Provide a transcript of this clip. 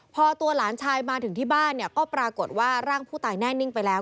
พอตัวหลานชายมาถึงที่บ้านเนี่ยก็ปรากฏว่าร่างผู้ตายแน่นิ่งไปแล้ว